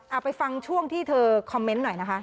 เอาไปฟังช่วงที่เธอคอมเมนต์หน่อยนะคะ